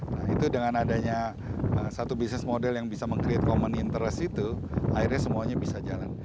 nah itu dengan adanya satu bisnis model yang bisa meng create common interest itu akhirnya semuanya bisa jalan